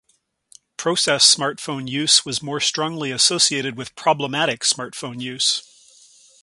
Process smartphone use was more strongly associated with problematic smartphone use.